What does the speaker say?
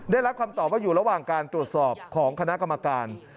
ได้รับคำตอบว่าอยู่ระหว่างการตรวจสอบของคณะกรรมการ